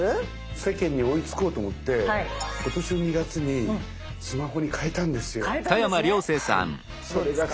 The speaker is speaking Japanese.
世間に追いつこうと思って今年の２月にスマホに替えたんですよ。替えたんですね。